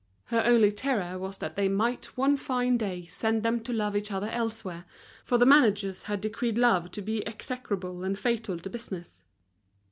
Her only terror was that they might one fine day send them to love each other elsewhere, for the managers had decreed love to be execrable and fatal to business.